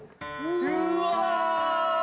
うわ！